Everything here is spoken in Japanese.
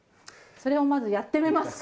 それをまずやってみますか。